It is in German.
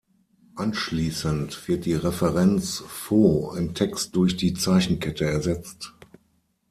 Anschließend wird die Referenz „foo“ im Text durch die Zeichenkette ersetzt.